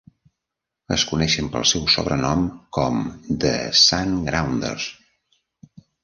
Es coneixen pel seu sobrenom com "the Sandgrounders".